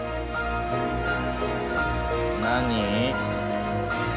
「何？」